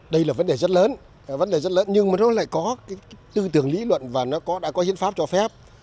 đây là vấn đề rất lớn nhưng nó lại có tư tưởng lý luận và nó đã có hiến pháp cho phép